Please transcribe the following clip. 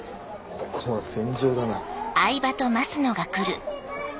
ここは戦場だな。